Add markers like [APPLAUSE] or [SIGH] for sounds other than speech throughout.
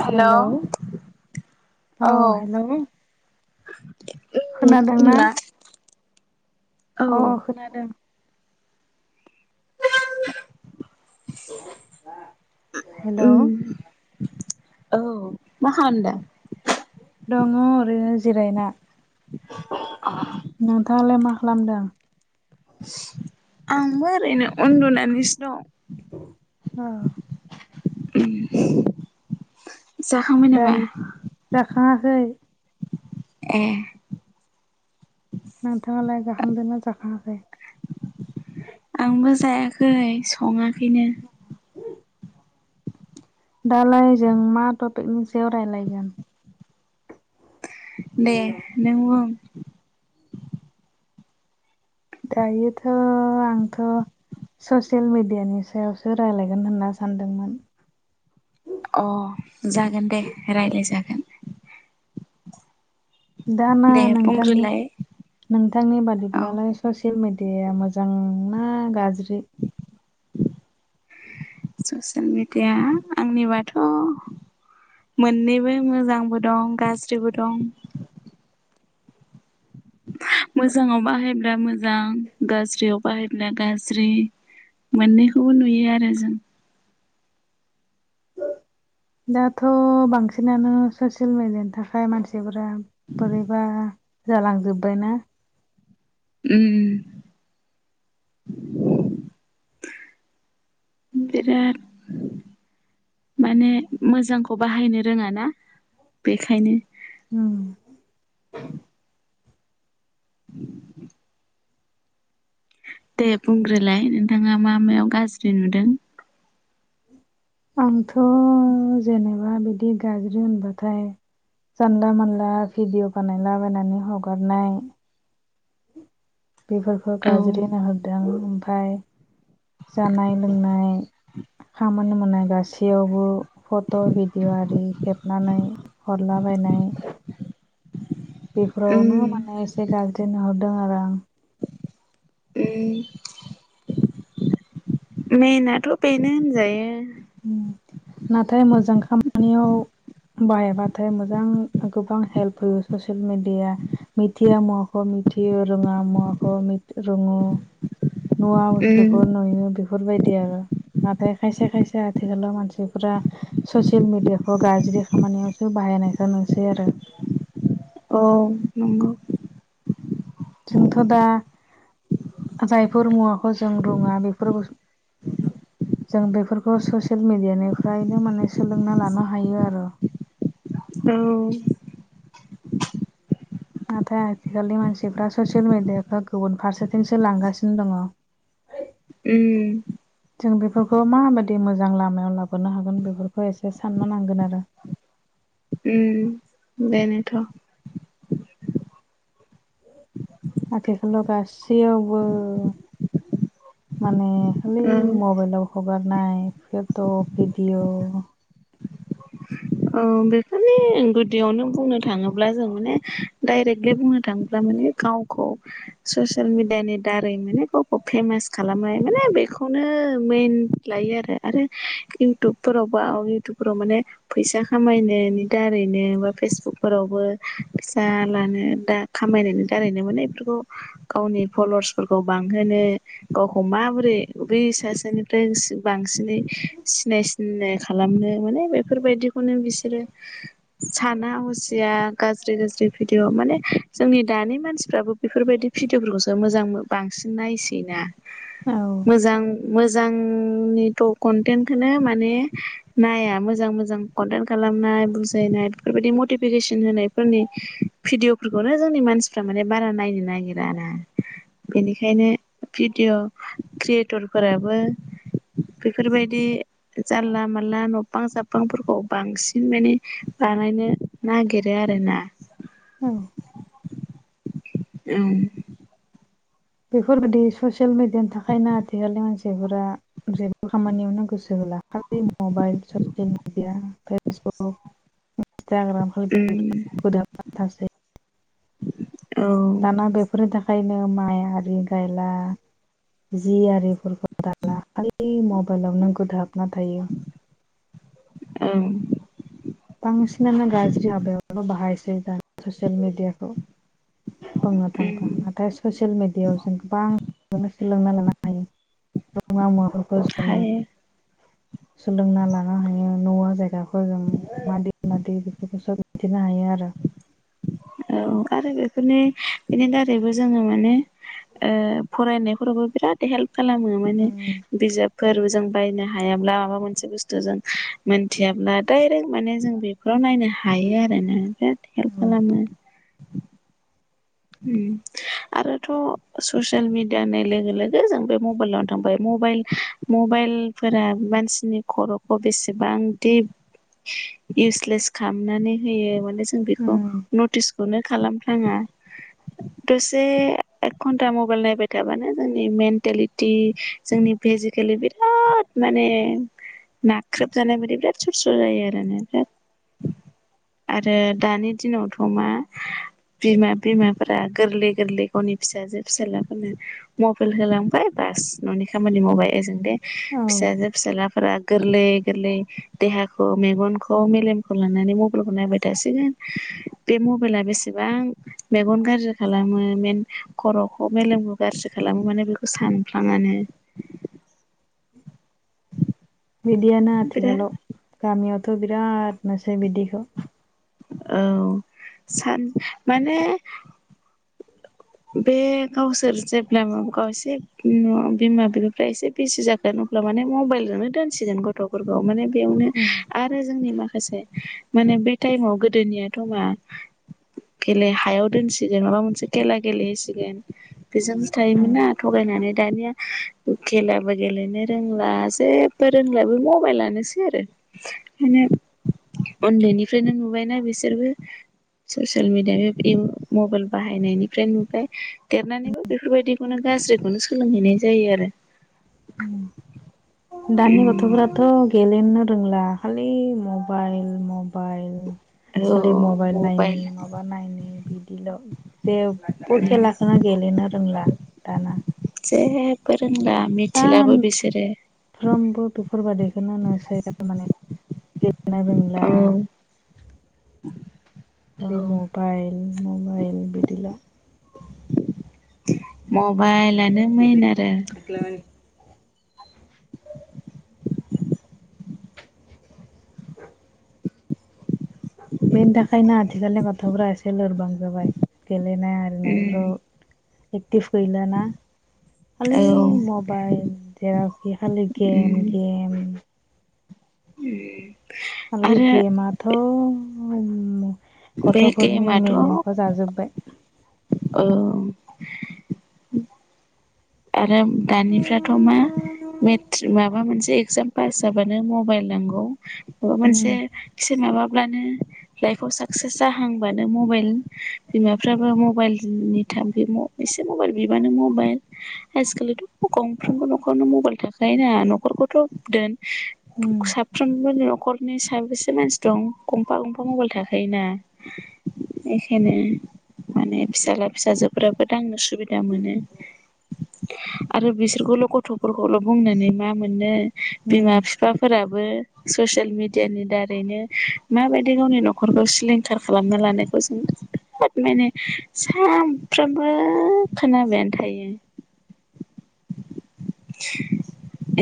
हेल' औ हेलौ औ हेलौ खोनादोंना [UNINTELLIGIBLE] औ अ खोनादों [INAUDIBLE] हेलौ ओम औ मा खालामदों दङ ओरैनो जिरायना अ नोंथाङालाय मा खालामदों आंबो ओरैनो उन्दुनानैसो दं अ जाखांबाय नामा दायो जाखाङाखै ए नोंथाङालाय जाखांदोना जाखाङाखै आंबो जायाखै सङाखैनो दालाय जों मा टपिकनि सायाव रायलायगोन दे नों बुं दायोथ' आंथ' ससियेल मिडियानि सायावसो रायलायगोन होनना सानदोंमोन अ जागोन दे रायलाय जागोन दाना दे नोंथांनि बुंग्रोलाय नोंथांनि औ बादिब्लालाय ससियेल मेडियाया मोजांना गाज्रि [INAUDIBLE] ससियेल मिडिया आंनिबाथ' मोननैबो मोजांबो दं गाज्रिबो दं मोजाङाव बाहायब्ला मोजां गाज्रियाव बाहायब्ला गाज्रि मोननैखौबो नुयो आरो जों दाथ' बांसिनानो ससियेल मेडियानि थाखाय मानसिफोरा बोरैबा जालांजोबबायना उम बिराद माने मोजांखौ बाहायनो रोङाना बेखायनो ओम [INAUDIBLE] दे बुंग्रोलाय नोंथाङा मा मायाव गाज्रि नुदों आंथ' जेनेबा बिदि गाज्रि होनबाथाय जानला मोनला भिडिअ बानायलाबायनानै हगारनाय बेफोरखौ औ गाज्रि नुहरदो आं ओमफ्राय जानाय लोंनाय खामानि मावनाय गासैयावबो फट' भिडिअ' आरि खेबनानै हरलाबायनाय बेफोराव नो उम माने एसे गाज्रिनो नुहरदों आरो आं उम मेनाथ' बेनो होनजायो नाथाय मोजां खामानियाव बाहायबाथाय मोजां गोबां हेल्प होयो ससियेल मेडिया मिथिया मुवाखौ मिथियो रोङा मुवाखौ मिथ रोङो नुवा उम बुस्थुखौ नुयो बेफोरबायदि आरो नाथाय खायसे खायसे बे आथिखालाव मानसिफोरा ससियेल मिडियाखौ गाज्रि खामानियावसो बाहायनायखौ नुसै आरो औ नंगौ जोंथ' दा जायफोर मुवाखौ जों रोङा बेफोर जों बेफोरखौ ससियेल मिडियानिफ्रायनो माने सोलोंना लानो हायो आरो औ नाथाय आथिखालनि मानसिफ्रा ससियेल मिडियाखौ गुबुन फारसेथिंसो लांगासिनो दङ उम जों बेफोरखौ माबायदि मोजां लामायाव लाबोनो हागोन बेफोरखौ एसे साननो नांगोन आरो उम बेनोथ' आथिखालाव गासैयावबो माने खालि औ मबाइलाव हगारनाय फट' भिडिअ' औ बेफोरनि गुदियावनो बुंनो थाङोब्ला जों माने डाइरेक्टलि बुंनो थाङोब्ला माने गावखौ ससियेल मिडियानि दारै माने गावखौ फेमास खालामनाय माने बेखौनो मेन लायो आरो आरो इउटुबफोराव बा इउटुबफोराव माने फैसा खामायनायनि दारैनो बा फेसबुकफोरावबो फैसा लानो दा खामायनायनि दारैनो माने बेफोरखौ गावनि फल'वार्सफोरखौ बांहोनो गावखौ माबोरै बै सासेनिफ्राय बांसिनै सिनाय सि नाय खालामनो माने बेफोरबायदिखौनो बिसोरो साना हसिया गाज्रि गाज्रि भिडिअ माने जोंनि दानि मानसिफ्राबो बेफोरबायदि भिडिअफोरखौसो मोजां बांसिन नायसै ना मोजां मोजांनिथ' कनटेन्टखौनो माने नाया मो जां मोजां कन्टेन्ट खालामनाय बुजायनाय बेफोरबायदि मटिभिकेसन होनायफोरनि भिदिअफोरखौनो जोंनि मानसिफ्रा माने बारा नायनो नागिरा ना बेनिखायनो भिडिअ' क्रियेटरफोराबो बेफोरबायदि जानला मानला नबां जाब बांफोरखौ बांसिन माने बानायनो नागिरो आरोना अ औ बेफोरबायदि ससियेल मिडियानि थाखायनो आथिखालनि मानसिफोरा जेबो खामानियावनो गोसो होला खालि मबाइल ससिल मिडिया ओमफाय फेसबुक इन्टाग्राम ओम [UNINTELLIGIBLE] गोदोजोबना‌ थासै औ दाना बेफोरनि थाखायनो माइ आरि गायला जि आरिफोरखो दाला खालि मबाइलाव नो गोदो हाबना थायो औ बांसिनानो गाज्रि हाबायावनो बाहायसै दा ससियेल मिडियाखौ बुंनो थांबा ओम नाथाय ससियेल मेडियायाव जों गोबांखौनो सोलोंना लानो हायो रोङा मुवाफोरखौ जों हायो सोलोंना लानो हायो नुवा जायगाखौ जों मादि मादि बेफोरखौ सोब मिन्थिनो हायो आरो औ आरो बेफोरनि बेनि दारैबो जोङो माने ओ फरायनायफोरावबो बिराद हेल्प खालामो माने बिजाब फोरबो जों बायनो हायाब्ला माबा मोनसे बुस्थु जों मोनथियाब्ला डायरेक्ट माने जों बे फ्राव नायनो हायो आरोना बिराद हेल्प औ खालामो उम आरोथ' ससियेल मिडियानि लोगो लोगो जों बे मबाइलावनो थांबाय मबाइल मबाइलफोरा मानसिनि खर'खौ बेसेबां दि इउसलेस खालामनानै होयो माने जों बेखौ नटिसखौनो खालामफ्लाङा दसे एक घन्टा मबाइल नायबाय थाबानो जोंनि मेन्टेलिटि जोंनि फेजिकेलि बिराद माने नाख्रेबजानाय बादि बिराद सुर सुर जायो आरो बिराद आरो दानि दिनावथ' मा बिमा बिमाफोरा गोरलै गोरलै गावनि फिसाजो फिसालाफोरनो मबाइल होलांबाय बास न'नि खामानि मावबाय ओजों दे औ फिसाजो फिसाला फोरा गोरलै गोरलै देहाखौ मेगनखौ मेलेमखौ लानानै मबाइलखौ नायबाय थासिगोन बे मबाइला बेसेबां मेगन गाज्रि खालामो मेन खर'खौ मेलेमखौ गारजि खालामो माने बेखौ सानफ्लाङानो [INAUDIBLE] बिदियानो बिराद आथिखालाव गामियावथ' बिराद नुसै बिदिखौ औ सान माने बे गावसोर जेब्ला गाव एसे बिमा बिफाफ्रा एसे [UNINTELLIGIBLE] जाखो [UNINTELLIGIBLE] अब्ला माने मबाइलजोंनो दोनसिगोन गथ'फोरखौ माने बेयावनो उम आरो जोंनि माखासे माने बे टाइमाव गोदोनियाथ' मा गेले हायाव दोनसिगोन माबा मोनसे खेला गेलेहोसिगोन बेजोंसो औ थायोमोनना थगायनानै दानिया खेलाबो गेलेनो रोंला जे बो रोंला बे मबाइलानोसै आरो ओंखायनो उन्दैनिफ्रायनो नुबायना बिसोरबो ससियेल मिडिया बे मबाइल बाहायनायनि ओमफ्राय नुबाय देरनानैबो बेफोरबायदिखौनो गाज्रिखौनो सोलोंहैनाय जायो आरो उम दानि गथ'फोराथ' गेलेनो रोंला खालि मबाइल मबाइल आरो खालि औ मबाइल नायनि मा माबा नायननि बिदिल' जेबो खेलाखौनो गेलेनो रोंला दाना जेबो रोंला मिथिलाबो बिसोरो साफ्रोमबो बेफोरबायदिखौनो नुसै माने गेलेनो रोंला औ खालि औ मबाइल मबाइल बिदिल' मबाइलानो मेन आरो [UNINTELLIGIBLE] बेनि थाखायनो आथिखालनि गथ'फ्रा एसे लोरबां जाबाय गेलेनाय आरिनायफ्राव एक्टिभ गैला ना खालि औ मब बाइल जेरावखि खालि गेम गेम उम आरो बे गेमाथ' [UNINTELLIGIBLE] बे गथ'फोरनि मेलेमखौ जाजोबबाय औ आरो दानिफ्राथ' मा मेट्रिक माबा मोनसे इगजाम पास जाबानो मबाइल नांगौ माबा उम मोनसे एसे माबाब्लानो लाइफआव साक्सेस जाहांबानो मबाइल बिमाफ्राबो मबाइलनि [UNINTELLIGIBLE] एसे मबाइल बिबानो मबाइल आजिखालिथ' गंफ्रोमबो नखरावनो मबाइल थाखायोना नखरखौथ' दोन उम साफ्रोमबो न'खरनि साबेसे मानसि दं गंफा गंफा मबाइल थाखायोना इखायनो माने फिसाज्ला फिसाजोफोराबो दांनो सुबिदा मोनो आरो बिसोरखौल' गथ'फोरखौल' बुंनानै मा मोननो उम बिमा बिफाफोराबो ससियेल मिडियानि दारैनो माबायदि गावनि न'खरखौ सिलिंखार खालामना लानायखौ जों बहद माने सानफ्रोमबो खोनाबायानो थायो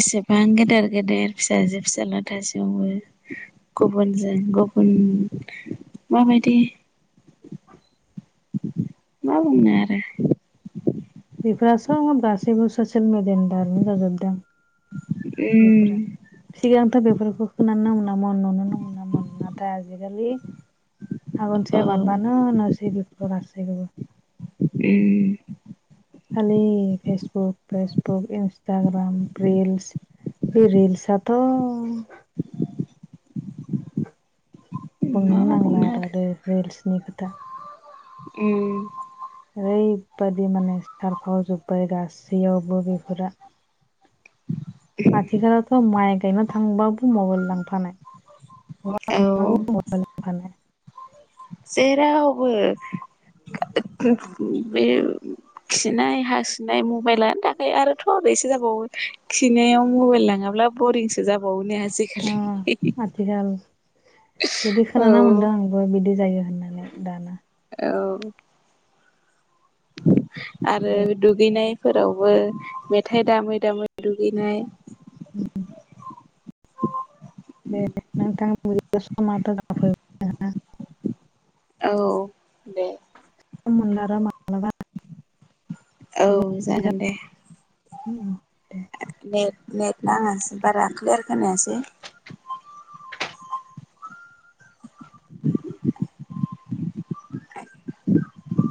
एसेबां गेदेर गेदेर फिसाजो फिसाजला थासेयावबो गुबुनजों गुबुन माबायदि मा बुंऩो आरो बेफोरो सफ गासैबो ससियेल मिडियानि दारनो जाजोबदों बेफोरा उम सिगांथ' बेफोरखौ खोनानो मोनामोन नुुनोनो मोनामोन नाथाय आजिखालि औ आगानसे बारबानो नुसै बेफोरखौ गासैखौबो। उम खालि फेसबुक फेसबुक इन्सटाग्राम रिल्स बे रिल्स आथ' मा बुंनोनो नांला बुंनो आरो द रिल्सनि खोथा। उम ओरैबायदि माने सारफावजोब्बाय गासैयावबो बेफोरा आथिखालावथ' माइ गायनो थांबाबो मबाइल लांफानाय। औ [UNINTELLIGIBLE] जेरावबो बे खिनाय हासुनाय मबाइलानो थाखायो आरोथ' एसे जाबावो खिनायाव मबाइल लाङाब्ला बरिंसो जाबावो नङासै आ ओ आथिखाल बिदि औ खोनाना मोनदों। ओ बिदि जायो होननानै दानो औ आरो दे दुगैनायफोरावबो मेथाइ दामै दामै दुगैनाय उम दे नोंथां बै समाथ' जाना फैबाय। औ दे मोनला नामा औ जागोन दे। उम नेट नेट नाङासै बारा क्लियार खोनायासै। [INAUDIBLE] [INAUDIBLE]